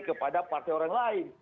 kepada partai orang lain